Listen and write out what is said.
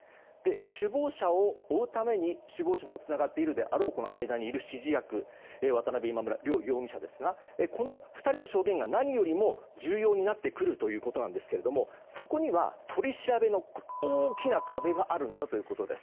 首謀者を追うために首謀者とつながっているであろう間にいる指示役渡邉、今村両容疑者の証言が何より重要になるということですがそこには、取り調べの大きな壁があるんだということです。